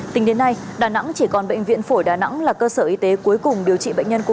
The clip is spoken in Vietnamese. tính đến nay đà nẵng chỉ còn bệnh viện phổi đà nẵng là cơ sở y tế cuối cùng điều trị bệnh nhân covid một mươi